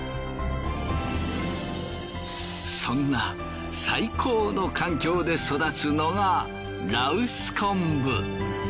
そんな最高の環境で育つのが羅臼昆布。